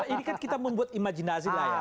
ini kan kita membuat imajinasi lah ya